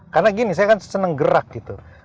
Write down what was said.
karena gini saya kan seneng gerak gitu